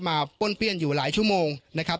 ป้นเปี้ยนอยู่หลายชั่วโมงนะครับ